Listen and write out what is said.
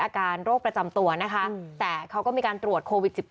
อาการโรคประจำตัวนะคะแต่เขาก็มีการตรวจโควิด๑๙